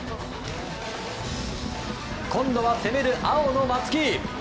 今度は攻める青の松木。